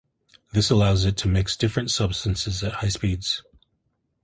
This allows it to mix different substances at high speeds.